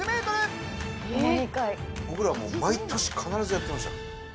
僕ら、もう毎年必ずやってました。